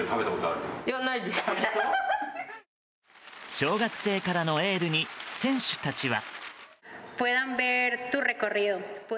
小学生からのエールに選手たちは。